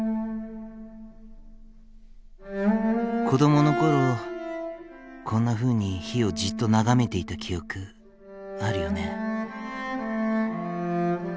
子どもの頃こんなふうに火をじっと眺めていた記憶あるよね？